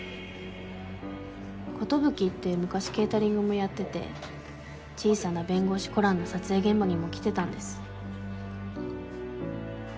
コトブキって昔ケータリングもやってて『小さな弁護士コラン』の撮影現場にも来てたんです。